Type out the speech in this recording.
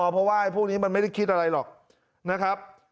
เพราะว่าพวกนี้มันไม่ได้คิดอะไรหรอกนะครับ